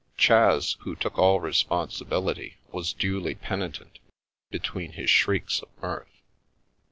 Chas, who took all responsibility, was duly penitent be tween his shrieks of mirth.